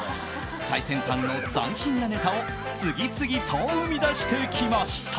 最先端の斬新なネタを次々と生み出してきました。